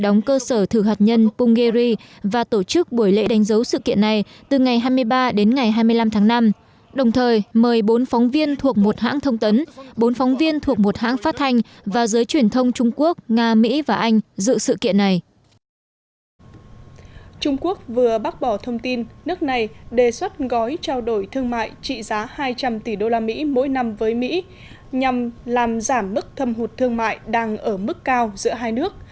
nhằm làm giảm mức thâm hụt thương mại đang ở mức cao giữa hai nước